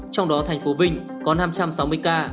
trong đó thành phố vinh có năm trăm sáu mươi ca